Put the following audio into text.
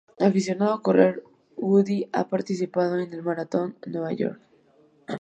Aficionado a correr, Godoy ha participado en el Maratón de Nueva York.